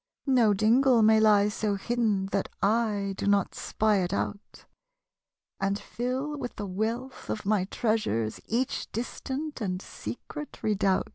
No dingle may lie so hidden That / do not spy it out, And fill with the wealih of my treasures Each distant and secret redoubt.